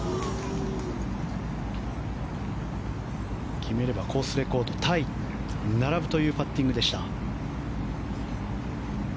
決めればコースレコードタイに並ぶというパッティングでした。